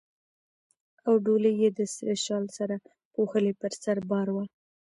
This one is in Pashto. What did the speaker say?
او ډولۍ یې د سره شال سره پوښلې پر سر بار وه.